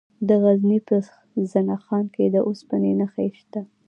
د غزني په زنه خان کې د اوسپنې نښې شته.